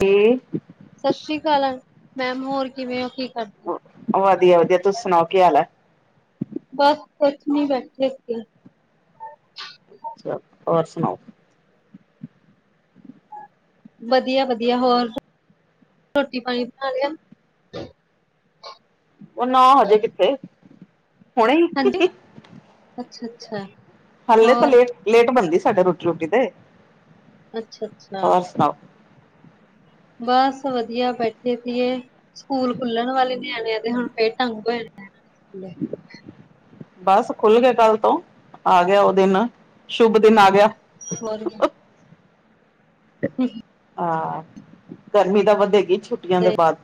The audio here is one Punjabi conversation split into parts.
ਤੇ ਸਸ ਰੀ ਕਾਲ, ਮੈਮ ਹੋਰ ਕਿਵੇਂ ਓ ਹੋਰ ਕੀ ਕਰ ਵਦੀਆ-ਵਦੀਆ ਤੁਸੀਂ ਸੁਨਾਓ ਕੀ ਹਾਲ ਐ। ਬਸ ਕੁਛ ਨੀ ਬੈਠੇ ਸੀਗੇ। ਅੱਛਾ ਹੋਰ ਸੁਨਾਓ ਵਦੀਆ-ਵਦੀਆ, ਹੋਰ ਰੋਟੀ ਪਾਨੀ ਬਨਾ ਲਿਆ। ਓ ਨਾ ਹਜੇ ਕਿੱਥੇ, ਹੁਨੇ ਈ ਅੱਛਾ-ਅੱਛਾ। ਹਲੇ ਤਾਂ ਲੇਟ-ਲੇਟ ਬਨਦੀ ਸਾਡੇ ਰੋਟੀ ਰੂਟੀ ਤੇ ਅੱਛਾ-ਅੱਛਾ। ਹੋਰ ਸੁਣਾਓ ਬਸ ਵਧੀਆ ਬੈਠੇ ਸੀਗੇ, ਸਕੂਲ ਖੁੱਲਣ ਵਾਲੇ ਨਿਆਣਿਆਂ ਦੇ ਹੁਣ ਫਿਰ ਢੰਗ ਹੋ ਜਾਣਾ। [inaudible] ਬਸ ਖੁੱਲ ਗਏ ਕੱਲ ਤੋਂ, ਆ ਗਿਆ ਓ ਦਿਨ ਸ਼ੁਭ ਦਿਨ ਆ ਗਿਆ। [inaudible] ਹਾਂ ਗਰਮੀ ਤਾ ਵਧੇਗੀ ਛੁ ਛੁੱਟੀਆਂ ਦੇ ਤੇ ਬਾਦ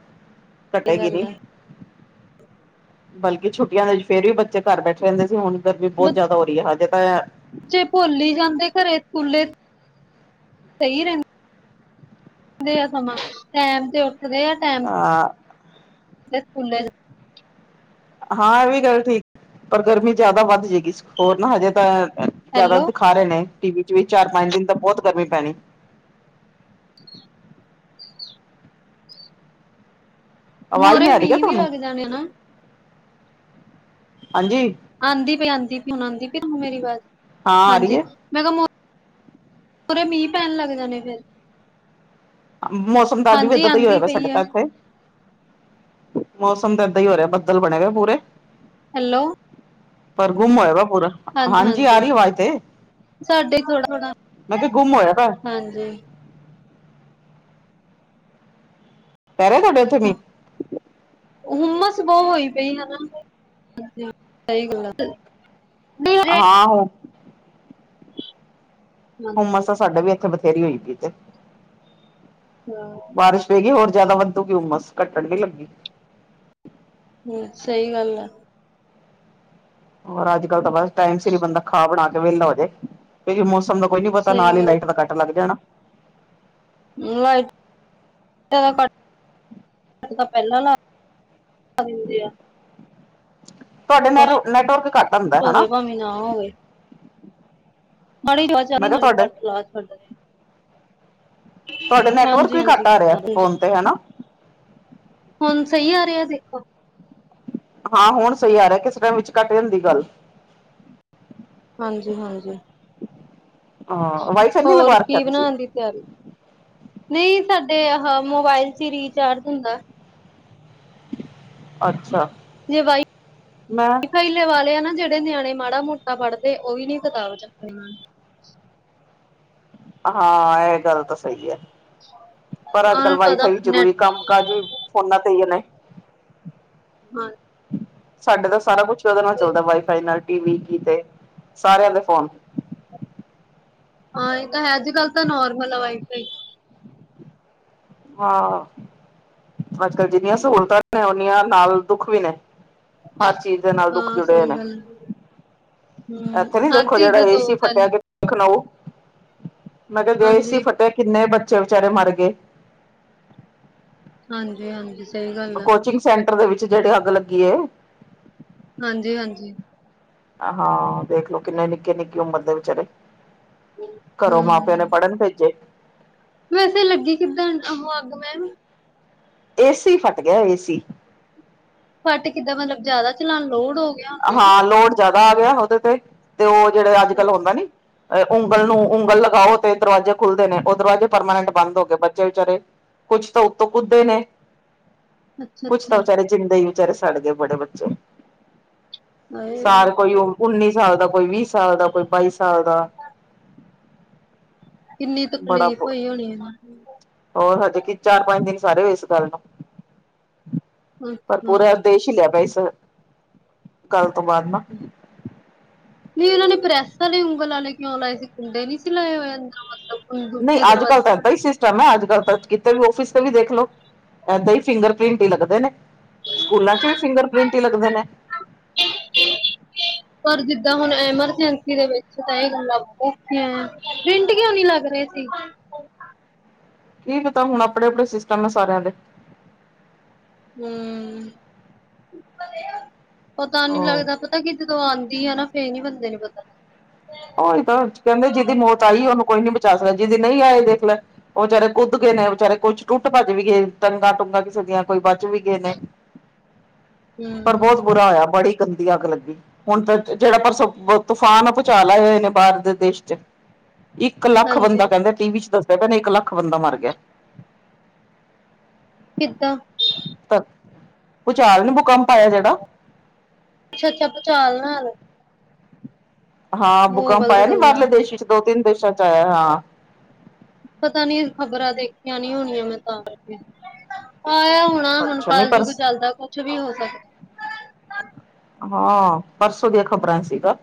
ਸਹੀ ਘਟੇਗੀ ਗੱਲ ਨੀ। ਆ ਬਲਕਿ ਛੁੱਟੀਆਂ ਦੇ ਵਿੱਚ ਫੇਰ ਵੀ ਬੱਚੇ ਘਰ ਬੈਠੇ ਰੈਂਦੇ ਸੀ ਹੁਨ ਗਰਮੀ ਬਹੁਤ ਜ਼ਾਦਾ ਹੋ ਰਈ ਐ ਹਜੇ ਤਾਂ ਜੇ ਭੁਲ ਈ ਜਾਂਦੇ ਘਰੇ ਸਕੂਲੇ, ਸਈ ਰੈਂਦ ਦੇ ਆ ਸਮਾਂ ਟੈਮ ਤੇ ਉੱਠਦੇ ਆ ਟੈਮ ਅਹ ਤੇ ਸਕੂਲੇ ਹਾਂ ਐ ਵੀ ਗੱਲ ਠੀਕ ਪਰ ਗਰਮੀ ਜਿਆਦਾ ਵੱਧ ਜੇਗੀ ਹੋਰ ਨਾ ਹਜੇ ਤਾਂ ਜ਼ਿਆਦਾ ਸ ਹੈਲੋ ਵਿਖਾ ਰਏ ਨੇ ਟੀ ਵੀ ਚ ਵੀ ਚਾਰ ਪੰਜ ਦਿਨ ਤਾਂ ਬੋਤ ਗਰਮੀ ਪੈਨੀ। ਆਵਾਜ਼ ਨੀ ਮੋਹਰੇ ਆ ਰਈ ਮੀਂਹ ਵੀ ਤਾਨੂੰ, ਲੱਗ ਜਾਣੇ ਨਾ ਹਾਂਜੀ। ਆਂਦੀ ਪਈ-ਆਂਦੀ ਪਈ ਹੁਨ ਆਂਦੀ ਫੇਰ ਹੁਨ ਮੇਰੀ ਆਵਾਜ਼, ਹਾਂ ਆ ਰਹੀ ਹਾਂਜੀ ਹੈ ਮੈਂ ਕਿਹਾ ਮੂਰੇ ਮੀਂਹ ਪੈਨ ਲੱਗ ਜਾਨੇ ਫਿਰ ਮੌਸਮ ਦਾ ਅੱਜ ਵੀ ਹਾਂਜੀ ਏਦਾਂ ਦਾ ਈ ਹੋਇਆ ਆਂਦੀ ਵੇ ਸਾਡੇ ਪਈ ਹੈ ਤਾਂ ਏਥੇ ਮੌਸਮ ਤਾਂ ਏਦਾਂ ਈ ਹੋ ਰਿਆ ਬੱਦਲ ਬਣੇ ਹੋਏ ਪੂਰੇ। ਹੈਲੋ ਪਰ ਗੁੰਮ ਹੋਏਆ ਦਾ ਪੂਰਾ। ਹਾਂਜੀ ਆਰੀ ਐ ਆਵਾਜ਼ ਤੇ, ਸਾਡੇ ਥੋੜਾ ਥੋੜਾ ਮੈਂ ਕਿਆ ਗੁੰਮ ਹੋਏਆ ਦਾ। ਹਾਂਜੀ ਪੈ ਰੇਆ ਥੋਡੇ ਹਾਂ ਹੁੰਮਸ ਬੋਤ ਹੋਈ ਪਈ ਹਨਾ, ਸਈ ਗੱਲ ਐ ਵੀ ਜੇ ਆਹੋ ਹੁੰਮਸ ਹਾਂਜੀ ਤਾਂ ਸਾਡੇ ਵੀ ਏਥੇ ਬਥੇਰੀ ਹੋਈਦੀ ਤੇ [inaudible] ਬਾਰਿਸ਼ ਪਏਗੀ ਹੋਰ ਜ਼ਾਦਾ ਵਧੂਗੀ ਹੁੰਮਸ ਘੱਟਣ ਨੀ ਲੱਗੀ। ਹੂੰ ਸਈ ਗੱਲ ਐ। ਹੋਰ ਅੱਜ-ਕੱਲ ਤਾਂ ਬਸ ਟਾਈਮ ਸਿਰ ਈ ਬੰਦਾ ਖਨਾ ਬਨਾ ਕੇ ਵੇਲਾ ਹੋਜੇ। ਓਇਓ ਮੌਸਮ ਦਾ ਕੋਈ ਨੀ ਪਤਾ ਨਾਲ ਸਹੀ ਹੀ ਗੱਲ ਲਾਈਟ ਦਾ ਕੱਟ ਲੱਗ ਜਾਣਾ ਲਾਇਟ ਤਦਾਂ ਕਟ ਤਾਂ ਪਹਿਲਾਂ ਲਾ ਦਿੰਦੇ ਆ ਤੁਹਾਡੇ ਨੈ ਬਸ ਨੈਟਵਰਕ ਘੱਟ ਹੁੰਦਾ ਕੁਛ ਹਨਾ। ਹੋਵੇ ਭਾਵੇਂ ਨਾ ਹੋਵੇ ਬੜੇ ਮੈਂ ਕਿਹਾ ਨਾਲ ਤੁਹਾਡੇ ਇਲਾ ਛੱਡਦੇ [inaudible] ਤੁਹਾਡੇ ਨੈਟਵਰਕ ਹਾਂਜੀ ਵੀ ਘੱਟ ਹਾਂਜੀ ਆ ਰਿਹਾ ਹਾਂਜੀ ਫੋਨ ਤੇ ਹੈਨਾ ਹੁਣ ਸਹੀ ਆ ਰਿਹਾ ਦੇਖੋ ਹਾਂ ਹੁਣ ਸਹੀ ਆ ਰਿਹਾ ਕਿਸ ਟਾਈਮ ਵਿੱਚ ਕਟ ਜਾਂਦੀ ਗੱਲ ਹਾਂਜੀ ਹਾਂਜੀ। ਹਾਂ, ਵਾਈ ਫਾਈ ਨੀ ਹੋਰ ਲਗਵਾ ਰੱਖਿਆ ਕੀ ਤੁਸੀਂ। ਬਣਾਣ ਦੀ ਨਈ, ਸਾਡੇ ਆਹ ਮੋਬਾਇਲ ਚ ਈ ਰੀਚਾਰਜ ਹੁੰਦਾ। ਅੱਛਾ। ਜੇ ਵਾਈ ਮੈਂ ਵਾਈਫਾਈ ਲਵਾ ਲਿਆ ਨਾ ਜਿਹੜੇ ਨਿਆਣੇ ਮਾੜਾ ਮੋਟਾ ਪੜ੍ਹਦੇ ਓ ਵੀ ਨੀ ਕਿਤਾਬ ਚੱਕਦੇ ਹਨ। ਹਾਂ, ਏ ਗੱਲ ਤਾਂ ਸਈ ਐ ਪਰ ਅੱਜ ਕੱਲ ਹਾਂ ਪਤਾ ਵਾਈਫਾਈ ਵੀ ਨੈਟ ਜ਼ਰੂਰੀ ਕੰਮ [unintelligible] ਜੀ ਫੋਨਾਂ ਤੇ ਈ ਨੇ। ਹਾਂ, ਸਾਡੇ ਤਾਂ ਸਾਰਾ ਕੁਛ ਔਦੇ ਨਾਲ ਚੱਲਦਾ ਵਾਈਫਾਈ ਨਾਲ ਟੀ ਕੀ ਤੇ ਸਾਰਿਆਂ ਦੇ ਫੋਨ। ਹਾਂ ਇਹ ਤਾਂ ਹੈ ਅੱਜ ਕੱਲ੍ਹ ਤਾਂ ਨੋਰਮਲ ਹੈ ਵਾਈ ਫਾਈ ਹਾਂ ਅੱਜ ਕੱਲ ਜਿੰਨੀਆਂ ਸਹੂਲਤਾਂ ਨੇ ਓਨੀਆਂ ਨਾਲ ਦੁੱਖ ਵੀ ਨੇ ਹਰ ਚੀਜ਼ ਦੇ ਨਾਲ ਦੁੱਖ ਹਾਂ ਜੁੜੇ ਸਹੀ ਨੇ ਗੱਲ ਹੂੰ ਇੱਥੇ ਨੀ ਹਰ ਦੇਖੋ ਚੀਜ਼ ਜਿਹੜਾ ਦੇ ਏ ਦੋ ਸੀ ਫੱਟਿਆ ਪਹਿਲ ਕਿ ਲਖਨਊ ਮੈਂ ਤੇ ਗਏ ਸੀ ਹਾਂਜੀ। ਫਤਿਹ ਕਿੰਨੇ ਬੱਚੇ ਵਿਚਾਰੇ ਮਰ ਗਏ ਹਾਂਜੀ ਹਾਂਜੀ ਔ ਕੋਚਿੰਗ ਸੈਂਟਰ ਦੇ ਵਿੱਚ ਜਿਹੜੇ ਅੱਗ ਲੱਗੀ ਹੈ ਹਾਂਜੀ ਹਾਂਜੀ ਹਾਂ ਦੇਖਲੋ ਕਿੰਨੇ ਨਿੱਕੇ ਨਿੱਕੀ ਉਮਰ ਦੇ ਵਿਚਾਰੇ ਘਰੋਂ ਮਾ ਪਿਔ ਨੇ ਹੂੰ। ਪੜ੍ਹਨ ਭੇਜੇ ਵੈਸੇ ਲੱਗੀ ਕਿੱਦਾਂ ਉਹ ਅੱਗ ਮੈ ਏ ਸੀ ਫਟ ਗਿਆ ਏ ਸੀ ਫੱਟ ਕਿੱਦਾਂ ਮਤਲਬ ਜਿਆਦਾ ਚਲਾਉਣ ਲੋਡ ਹੋ ਗਿਆ ਹੋਣਾ ਹਾਂ ਲੋਡ ਜਿਆਦਾ ਆ ਗਿਆ ਉਹਦੇ ਤੇ ਤੇ ਉਹ ਜਿਹੜਾ ਅੱਜ ਨਾ। ਕੱਲ ਹੁੰਦਾ ਨੀ ਉਂਗਲ ਨੂੰ ਉਂਗਲ ਲਗਾਓ ਤੇ ਦਰਵਾਜ਼ੇ ਖੁੱਲਦੇ ਨੇ ਉਹ ਦਰਵਾਜ਼ੇ ਪਰਮਾਨੈਂਟ ਬੰਦ ਹੋ ਗਏ, ਬੱਚੇ ਵਿਚਾਰੇ ਕੁੱਝ ਤੋ ਉੱਤੋਂ ਕੁੱਦੇ ਨੇ ਅੱਛਾ ਕੁਛ ਤੇ ਅੱਛਾ ਵਿਚਾਰੇ ਜਿੰਦੇ ਹੀ ਵਿਚਾਰੇ ਸੜ ਗਏ ਬੜੇ ਬੱਚੇ ਹਾਏ ਸਾਲ ਕੋਈ ਉੱਨੀ ਸਾਲ ਦਾ ਕੋਈ ਵੀਹ ਸਾਲ ਦਾ ਕੋਈ ਬਾਈ ਸਾਲ ਦਾ ਕਿੰਨੀ ਬੜਾ ਤਕਲੀਫ਼ ਹੋਈ ਹੋਣੀ ਏਨਾਨੂੰ ਹੋਰ ਹਜੇ ਕੀ ਚਾਰ ਪੰਜ ਦਿਨ ਸਾਰੇ ਹੋਏ ਇਸ ਗੱਲ ਨੂੰ, ਪਰ ਪੂਰਾ ਅੱਛਾ ਦੇਸ਼ ਲਿਆ ਪਾਈ ਇਸ ਕੱਲ ਤੋਂ ਬਾਅਦ ਨਾ ਨਹੀਂ ਉਹਨਾਂ ਨੇ ਪ੍ਰੈਸ ਵਾਲੇ ਉਂਗਲ ਵਾਲੇ ਕਿਉਂ ਲਾਏ ਸੀ ਕੁੰਡੇ ਨਹੀਂ ਸੀ ਲਾਏ ਹੋਏ ਅੰਦਰ ਮਤਲਬ ਨਹੀਂ ਦੂਜੇ ਅੱਜ ਕੱਲ ਦਰਵਾਜ਼ੇ ਤਾਂ ਵਾਲੇ? ਇਦਾਂ ਹੀ ਅੱਜ ਕੱਲ ਤਾਂ ਕਿਤੇ ਵੀ ਆਫ਼ਿਸ ਤੇ ਵੀ ਦੇਖ ਲੋ ਇਦਾਂ ਹੀ ਫਿੰਗਰ ਪ੍ਰਿੰਟ ਹੀ ਲੱਗਦੇ ਨੇ ਸਕੂਲਾਂ ਚ ਵੀ ਫਿੰਗਰ ਪ੍ਰ੍ਰਿੰਟ ਹੀ ਲੱਗਦੇ ਨੇ ਪਰ ਜਿੱਦਾਂ ਹੁਣ ਐਮਰਜੈਂਸੀ ਦੇ ਵਿੱਚ ਤਾਂ ਇਹ ਗੱਲਾਂ ਰਿੰਟ ਕਿਉਂ ਨੀ ਲੱਗ ਰਹੇ ਸੀ ਕੀ ਪਤਾ ਹੁਣ ਆਪਣੇ ਆਪਣੇ ਸਿਸਟਮ ਨੇ ਸਾਰਿਆਂ ਦੇ ਹੂ ਪਤਾ ਨੀ ਲੱਗਦਾ ਪਤਾ ਕਿ ਜਦੋਂ ਆਉਂਦੀ ਹੈ ਨਾ ਫੇਰ ਨੀ ਬੰਦੇ ਨੂੰ ਪਤਾੱ ਉਹ ਇਹ ਤਾਂ ਕਹਿੰਦੇ ਜਿਹਦੀ ਮੌਤ ਆਈ ਉਹਨੂੰ ਕੋਈ ਨੀ ਬਚਾ ਸਕਦਾ, ਜਿਹਦੀ ਨਹੀਂ ਆਏ ਦੇਖ ਲੈ ਉਹ ਜੇੜੇ ਕੁੱਦ ਗਏ ਨੇ, ਬਾਰੇ ਕੁਛ ਟੁੱਟ ਭੱਜ ਵੀ ਗਏ, ਟੰਗਾਂ ਟੁੰਗਾਂ ਕਿਸੇ ਦੀਆਂ ਕੋਈ ਬਚ ਵੀ ਗਏ ਨੇ। ਪਰ ਹੂੰ ਬਹੁਤ ਬੁਰਾ ਹੋਇਆ ਬੜੀ ਗੰਦੀ ਅੱਗ ਲੱਗੀ, ਹੁਣ ਤਾਂ ਜਿਹੜਾ ਪਰਸ ਤੂਫਾਨ ਝਾਲ ਆਏ ਹੋਏ ਨੇ ਬਾਹਰ ਦੇਸ਼ ਚ ਇੱਕ ਲੱਖ ਹਾਂਜੀ ਬੰਦਾ ਕਹਿੰਦੇ ਟੀ ਵੀ ਚ ਦਸਦੇ ਪਏ ਨੇ, ਇੱਕ ਲੱਖ ਬੰਦਾ ਮਰ ਗਿਆ ਕਿਦਾਂ ਭੂਚਾਲ ਨਈ ਭੁਕੰਪ ਆਇਆ ਜੇੜਾ ਅੱਛਾ-ਅੱਛਾ ਭੂਚਾਲ ਨਾਲ ਹਾਂ ਭੂਕੰਪ ਭੂਗੋਲ ਆਇਆ ਦੀਆਂ ਨੀ ਬਾਹਰਲੇ ਗੱਲਾਂ ਦੇਸ਼ 'ਚ ਦੋ ਤਿੰਨ ਦੇਸ਼ਾਂ 'ਚ ਆਇਆ ਹਾਂ। ਪਤਾ ਨੀ ਖ਼ਬਰਾਂ ਦੇਖੀਆਂ ਨੀ ਹੋਣੀਆਂ ਮੈਂ ਤਾਂ ਕਰਕੇ ਆਇਆ ਹੋਣਾ ਹੁਣ ਅੱਛਾ ਨਹੀਂ ਪਰ ਕਲਯੁਗ ਚੱਲਦਾ ਕੁਛ ਵੀ ਹੋ ਸਕਦ ਹਾਂ ਪਰਸੋਂ ਦੀਆ ਖਬਰਾਂ ਸੀਗਾ।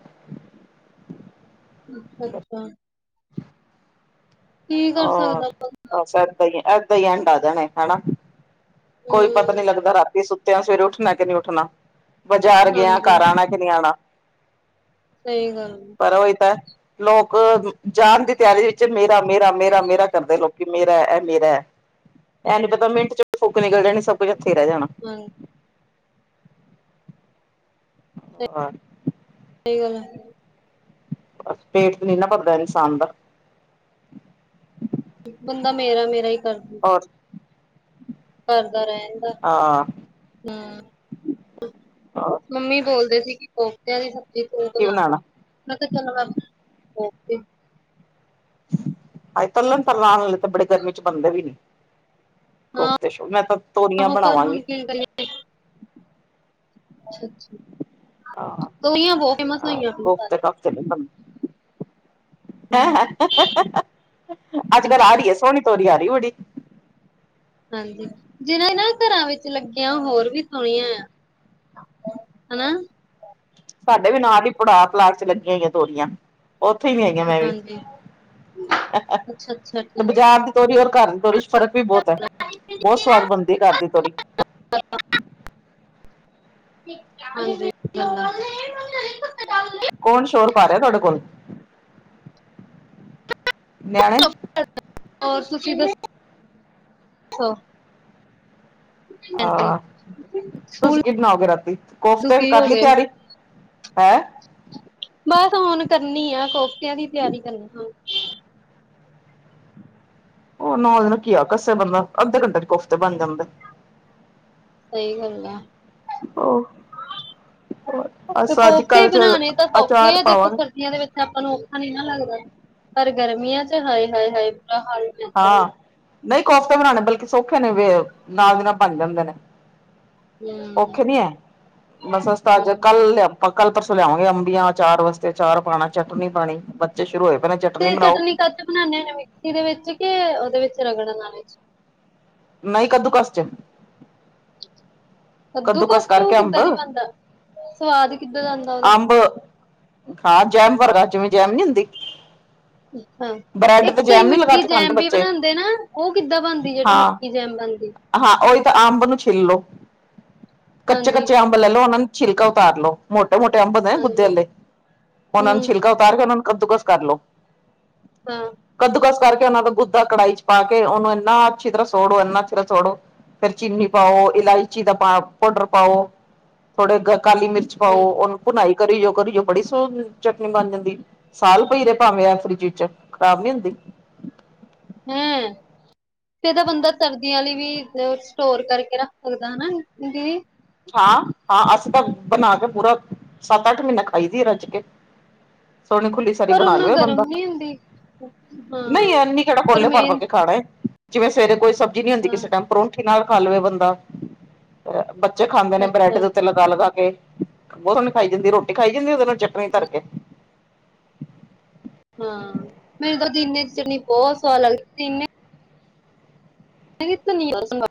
ਅੱਛਾ-ਅੱਛਾ ਕੀ ਕਰ ਹੋਰ ਸਕਦਾ ਬੰਦਾ ਬਸ ਏਦਾਂ ਹੀ ਏਦਾਂ ਹੀ ਐਂਡ ਆ ਜਾਣੈ ਹਨਾ। ਕੋਈ ਪਤਾ ਨੀ ਹੂੰ ਲੱਗਦਾ ਰਾਤੀ ਸੁੱਤਿਆਂ ਸਵੇਰੇ ਉੱਠਣਾ ਕਿ ਨਈ ਉੱਠਣਾ ਬਾਜ਼ਾਰ ਗਿਆ ਹਾਂਜੀ। ਘਰ ਆਣਾ ਕੀ ਨ ਆਣਾ ਸਈ ਗੱਲ ਪਰ ਉਹੀ ਤੇ ਲੋਕ ਜਾਣ ਦੀ ਤਿਆਰੀ ਵਿੱਚ ਮੇਰਾ ਮੇਰਾ-ਮੇਰਾ-ਮੇਰਾ ਕਰਦੇ ਲੋਕੀ ਮੇਰਾ ਇਹ ਮੇਰਾ ਇਹ ਨੀ ਪਤਾ ਮਿੰਟ 'ਚ ਫੁੱਕ ਨਿਕਲ ਜਾਣੀ ਸਭ ਕੁੱਛ ਇਥੇ ਰਏ ਜਾਣਾ। ਹਾਂ ਔਰ ਸਈ ਗੱਲ ਐ ਬਸ ਪੇਟ ਤੇ ਨਈ ਭਰਦਾ ਇਨਸਾਨ ਦਾ ਬੰਦਾ ਮੇਰਾ-ਮੇਰਾ ਈ ਕਰਦ ਹੋਰ ਕਰਦਾ ਰੈਂਦਾ- ਹਾਂ ਹੂੰ ਮੰਮੀ ਬੋਲਦੇ ਸੀ ਕਿ ਕੋਫਤਿਆਂ ਦੀ ਸ ਦੀ ਤੂੰ ਕੀ ਬਣਾ ਬਣਾਉਣਾ ਮੈ ਕਿਆ ਚਲੋ ਮੈ ਕੋਫਤੇ ਹਏ ਤੱਲਣ ਤਲਾਣ ਤਾਂ ਗਰਮੀ 'ਚ ਬਣਦੇ ਵੀ ਨਈ ਹਾਂ ਕੋਫਤੇ ਮੈ ਤਾਂ ਤੋਰੀਆਂ ਆਹੋ ਪਰ ਹੁਣ ਬਣਾਵਾਂਗੀ। [inaudible] ਅੱਛਾ-ਅੱਛਾ ਹਾਂ [unintelligible] ਬੋਤ ਮਸਾਂ ਹੀ ਆਪਣੇ ਘਰ [inaudible] ਅੱਜ ਕੱਲ ਆ ਰਈ ਸੋਹਣੀ ਤੋਰੀ ਆ ਰਈ ਬੜੀ ਹਾਂਜੀ ਜਿਨਾ ਇਹ ਨਾ ਘਰਾਂ ਵਿਚ ਲੱਗੀਆਂ ਹੋਰ ਵੀ ਸੋਹਣੀਆਂ ਆ। ਹਨਾ। ਸਾਡੇ ਵੀ ਨਾਲ ਹੀ ਪਲਾਟ 'ਚ ਲੱਗੀਆਂ ਹੋਈਆਂ ਤੋਰੀਆਂ ਉਥੇ ਹੀ ਆਈਆਂ ਮੈ ਵੀ ਹਾਂਜੀ [inaudible] ਅੱਛਾ ਅੱਛਾ ਤੇ ਠੀਕ ਬਾਜ਼ਾਰ ਦੀ ਤੋਰੀ ਔਰ ਘਰ ਦੀ ਤੋਰੀ 'ਚ ਫਰਕ ਵੀ ਬੋਤ ਐ ਬੋਤ ਸਵਾਦ ਬਣਦੀ ਘਰ ਦੀ ਤੋਰੀ [inaudible] ਹਾਂਜੀ ਕੌਣ ਸ਼ੋਰ ਪਾ ਰਿਆ ਤੁਹਾਡੇ ਕੋਲ ਨਿਆਣੇ ਹੋਰ ਤੁਸੀ ਦੱਸੋ ਸੋ ਆਹ ਤੁਸੀ ਕਿ ਬਣਾਓਗੇ ਰਾਤੀ ਕੋਫਤੇ ਦੁਖੀ ਹੋ ਕਰ ਲਈ ਗਏ ਤਿਆਰੀ ਹੈਂ। ਬਸ ਹੁਣ ਕਰਨੀ ਆਂ ਕੋਫਤਿਆਂ ਦੀ ਤਿਆਰੀ ਕਰਨੀ ਆਂ। ਓ ਨਾਲ ਘੀਆ ਕੱਸੇ ਬੰਦਾ ਅੱਧੇ ਘੰਟੇ 'ਚ ਕੋਫਤੇ ਬਣ ਜਾਂਦੇ। ਸਈ ਗੱਲ ਐ। ਉਹ ਤੇ ਅਸ ਅੱਜ ਕੋਫਤੇ ਕੱਲ ਚ ਬਣਾਉਣੇ ਤਾਂ ਸੌਖੇ ਅਚਾਰ ਆ ਜੇ ਪਾਵਾਂਗੇ ਸਰਦੀਆਂ ਵਿਚ ਔਖਾ ਨਈ ਨਾ ਲੱਗਦਾ ਪਰ ਗਰਮੀਆਂ 'ਚ ਹਾਏ-ਹਾਏ-ਹਾਏ ਬੁਰਾ ਹਾਲ ਜਾਂਦਾ ਵਾ। ਹਾਂ ਨਹੀ ਕੋਫਤੇ ਬਨਾਣੇ ਬਲਕਿ ਸੌਖੇ ਨੇ ਵੇ ਨਾਲ ਦੀ ਨਾਲ ਬਨ ਜਾਂਦੇ ਨੇ। ਹੂੰ ਔਖੇ ਨੀ ਹੈ। ਬਸ ਅੱਜ ਹੂੰ ਕੱਲ ਲਿਆ- ਕੱਲ ਪਰਸੋਂ ਲਿਆਵਾਂਗੇ ਅੰਬੀਆਂ ਅਚਾਰ ਵਾਸਤੇ ਅਚਾਰ ਪਾਣਾ ਚਟਨੀ ਪਾਣੀ- ਤੇ ਸ਼ੁਰੂ ਹੋਏ ਪਏ ਨੇ ਚਟਨੀ ਬਣਾਓ ਚ- ਬਉਂਦੇ ਹ ਨੇ ਵੀ [unintelligible] [unintelligible] ਮਿਕਸੀ ਦੇ ਵਿਚ ਕੇ ਉਹਦੇ ਵਿਚ ਰਗੜਨ ਆਲੇ ਚ- ਨਹੀ ਕਦੁਕਸ 'ਚ- ਕੱਦੂ ਕੱਦੂਕਸ ਕਸ ਨੂੰ ਕਰਕੇ ਅੰਬ ਕਿੱਦਾਂ ਨੀ ਬਨਦਾ ਸਵਾਦ ਈ ਕਿੱਦਾਂ ਦਾ ਆਂਦਾ ਉਹਦਾ- ਅੰਬ ਹਾਂ ਜੈਮ ਵਰਗਾ ਜਿਵੇ ਜੈਮ ਨੀ ਹੁੰਦੀ- ਹੁ- ਬ੍ਰੈਡ ਇਕ ਤੇ ਈ ਜੈਮ ਨੀ ਲਗਾ ਮਿੱਠੀ ਕੇ ਖਾਂਦੇ ਜੈਮ ਵੀ ਬੱਚੇ ਬਨਾਂਦੇ ਨਾ ਉਹ ਕਿੱਦਾਂ ਬਨਦੀ ਜਿਹੜੀ ਹਾਂ ਮਿੱਠੀ ਜੈਮ ਬਨਦੀ- ਹਾਂ ਉਹੀ ਤਾਂ ਅੰਬ ਨੂੰ ਛਿਲ ਲੋ- ਕੱਚੇ ਹਾਂਜੀ ਕੱਚੇ ਅੰਬ ਲੈ ਲਓ ਉਹਨਾਂ ਨੂੰ ਛਿਲਕਾ ਉਤਾਰ ਲੋ- ਮੋਟੇ ਮੋਟੇ ਅੰਬ ਹੋਂਦੇ ਨੇ ਗੁਦੇ ਹਾਂਜੀ ਆਲੇ ਉਹਨਾਂ ਨੂੰ ਹਮ ਛਿਲਕਾ ਉਤਾਰ ਕੇ ਉਹਨਾਂ ਨੂੰ ਕੱਦੂਕਸ ਕਰ ਲਓ। ਹੁ- ਕੱਦੂਕਸ ਕਰਕੇ ਉਹਨਾ ਦਾ ਗੁੱਦਾ ਕੜਾਈ 'ਚ ਪਾ ਕੇ ਉਹਨੂੰ ਏਨਾ ਅੱਛੀ ਤਰ੍ਹਾਂ ਸੋੜੋ ਏਨਾ ਅੱਛੀ ਤਰ੍ਹਾਂ ਸੋੜੋ- ਫੇਰ ਚੀਨੀ ਪਾਓ ਇਲਾਈ- ਚੀ ਦਾ ਪਾ ਪੋਡਰ ਪਾੳ ਥੋੜੇ ਗ ਕਾਲੀ ਮਿਰਚ ਪਾਓ ਉਹਨੂੰ- ਭੁਨਾਈ ਕਰੀ ਜਾਓ ਕਰੀ ਜਾਓ ਬੜੀ ਸੋਹਨ ਚਟਨੀ ਬਨ ਜਾਂਦੀ- ਸਾਲ ਪਈ ਰੇ ਭਾਵੇਂ ਇਹ ਫਰਿਜ ਚ ਖਰਾਬ ਨੀ ਹੁੰਦੀ। ਹੁ। ਫਿ ਤਾਂ ਬੰਦਾ ਸਰਦੀਆਂ ਵੀ ਸਟੋਰ ਕਰਕੇ ਰੱਖ ਸਕਦਾ ਹਨਾ ਦੀ। ਹਾਂ ਹਾਂ ਅਸੀਂ ਤਾਂ ਬਨਾ ਕੇ ਪੂਰਾ ਸੱਤ ਅੱਠ ਮਹੀਨਾ ਖਾਈ ਦੀ ਏ ਰਜ ਕੇ। ਸੋਨੀ ਖੁਲੀ ਪਰ ਉਹ ਨਾਲ ਗਰਮ ਨੀ ਹੁੰਦੀ। ਹਾਂ ਨਹੀਂ ਐਨੀ ਕਿਹੜਾ ਪਰ ਕੋਲੇ ਭਰ ਭਰ ਮੇਨ ਕੇ ਖਾਣੇ ਜਿਵੇਂ ਸਵੇਰੇ ਕੋਈ ਸਬਜ਼ੀ ਨੀ ਹੁੰਦੀ ਹਾਂ ਕਿਸੇ ਟਾਈਮ। ਪਰੋਂਠੀ ਨਾਲ ਖਾ ਲਵੇ ਬੰਦਾ ਬੱਚੇ ਖਾਂਦੇ ਨੇ ਬ੍ਰੈਡ ਅੱਛਾ ਦੇ ਉੱਤੇ ਲਾ ਲਗਾ ਲੱਗਾ ਕੇ ਬਹੁ ਸੋਨੀ ਖਾਈ ਜਾਂਦੀ ਰੋਟੀ ਖਾਈ ਜਾਂਦੀ ਉਹਦੇ ਨਾਲ ਚਟਨੀ ਧਰ ਕੇ। ਹਾਂ ਮੇਰੇ ਤਾਂ ਪ [unintelligible] ਦੀਨੇ ਦੀ ਚਨੀ ਬਹੁਤ ਸਵਾਦ ਲੱਗਦੀ ਤਨੇ। ਨੀ [unintelligible]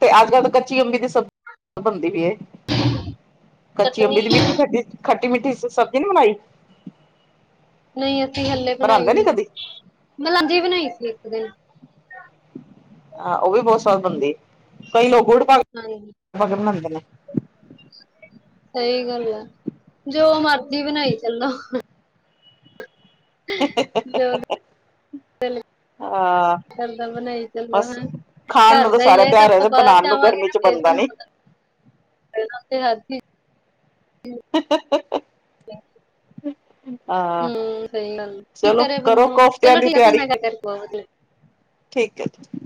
ਤੇ ਅੱਜ ਕੱਲ੍ਹ ਤਾਂ ਕੱਚੀ ਅੰਬੀ ਦੀ ਸਬਜ਼ੀ ਬਨਦੀ ਪੀ ਏ। ਕੱਚੀ ਚਟਨੀ ਅੰਬੀ ਦੀ ਮਿੱਠੀ ਖੱਟੀ ਖੱਟੀ ਮਿੱਠੀ ਸਬਜ਼ੀ ਨੀ ਬਨਾਈ। ਨਹੀਂ ਅਸੀਂ ਹੱਲੇ ਬਨਾਈ ਨੀ ਮੈਂ ਲਾਂਜੀ ਬਨਾਈ ਸੀ ਇੱਕ ਦਿਨ। ਹਾਂ ਉਹ ਵੀ ਬਹੁਤ ਸਵਾਦ ਬਨਦੀ ਏ ਕਈ ਲੋਕ ਗੁੜ ਪਾ ਹਾਂ। [unintelligible] ਬਗਰ ਬਨਾਂਦੇ ਨੇ ਸਹੀ ਗੱਲ ਆ ਜੋ ਮਰਜ਼ੀ ਬਨਾਈ ਚੱਲੋ। ਹਾਂ ਕਰਦਾ ਬਣਾਈ ਚੱਲੋ ਬਸ ਹੈ। [unintelligible] ਖਾਣ ਘਰ ਨੂੰ ਦਾ ਹੀ ਸਾਰੇ ਹੈ ਤਾਂ ਤਿਆਰ ਆਪਾਂ ਬਾਹਰ ਬਣਾਉਣ ਨੂੰ ਜਾਵਾਂਗੇ ਗਰਮੀ ਨਾ ਚ ਫੇਰ ਬਣਦਾ ਤੁਹਾਨੂੰ ਨੀ ਪਤਾ ਚੱਲੇਗਾ ਹੱਰ ਚੀਜ਼ ਹ ਹ ਹ। ਹਾਂ ਹਮ ਸਹੀ ਗੱਲ ਕੀ ਚਲੋ ਕਰੇ ਕਰੋ ਬੰਦਾ ਕੋਫਤਿਆਂ ਚਲੋ ਦੀ ਠੀਕ ਆ ਤੁਹਾਡੇ ਤਿਆਰੀ। ਨਾਲ ਗੱਲ ਕਰਕੇ ਬਹੁਤ ਵਧੀਆ ਠੀਕ ਹੈ ਜੀ।